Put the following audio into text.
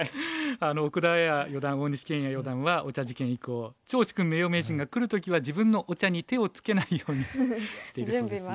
奥田あや四段大西研也四段はお茶事件以降趙治勲名誉名人が来る時は自分のお茶に手をつけないようにしているそうですよ。